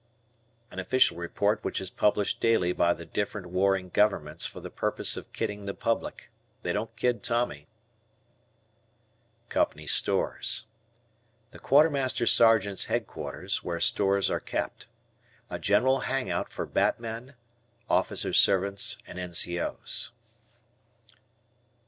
An official report which is published daily by the different warring governments for the purpose of kidding the public. They don't kid Tommy. Company Stores. The Quartermaster Sergeant's headquarters where stores are kept. A general hang out for batmen, officers' servants, and N.C.O.'s.